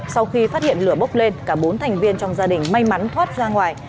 sau khi phát hiện lửa bốc lên cả bốn thành viên trong gia đình may mắn thoát ra ngoài